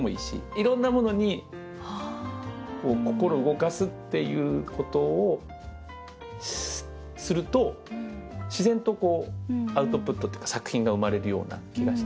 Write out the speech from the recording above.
いろんなものに心を動かすっていうことをすると自然とアウトプットっていうか作品が生まれるような気がしていて。